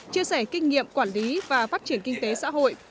chia sẻ kinh nghiệm quản lý và phát triển kinh tế xã hội